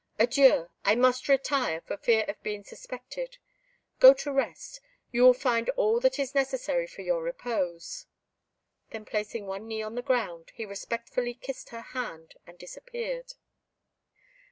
Adieu, I must retire for fear of being suspected: go to rest; you will find all that is necessary for your repose." Then placing one knee on the ground, he respectfully kissed her hand and disappeared.